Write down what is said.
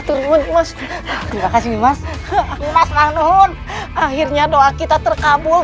ah terima kasih mas akhirnya doa kita terkabul